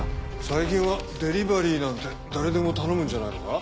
最近はデリバリーなんて誰でも頼むんじゃないのか？